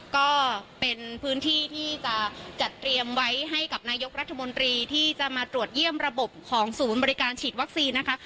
ก็เป็นพื้นที่ที่จะจัดเตรียมไว้ให้กับนายกรัฐมนตรีที่จะมาตรวจเยี่ยมระบบของศูนย์บริการฉีดวัคซีนนะคะ